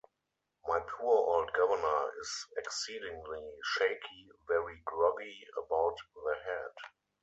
My poor old governor is exceedingly shaky, very groggy about the head.